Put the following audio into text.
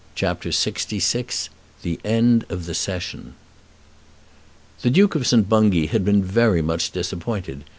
CHAPTER LXVI The End of the Session The Duke of St. Bungay had been very much disappointed.